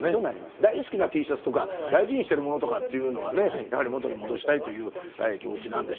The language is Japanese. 大好きなＴシャツとか大事にしてるものとかっていうのはねやはり元に戻したいという気持ちなんでしょうけど。